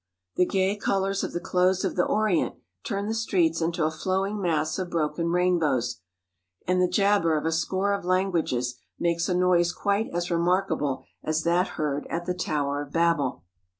The gay col ours of the clothes of the Orient turn the streets into a flowing mass of broken rainbows, and the jabber of a score of languages makes a noise quite as remarkable as that heard at the Tower of Babel.